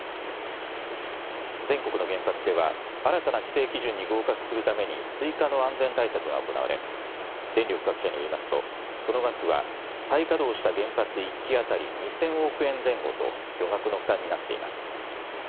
全国の原発では新たな規制基準に合格するために追加の安全対策が行われ電力各社によりますとその額は再稼働した原発１基当たり２０００億円前後と巨額の負担になっています。